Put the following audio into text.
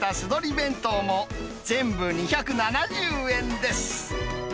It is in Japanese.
弁当も、全部２７０円です。